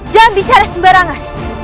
jangan bicara sembarangan